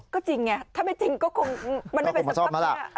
ก็จริงไงถ้าไม่จริงก็คงมันได้ไปสักพันธุ์แล้ว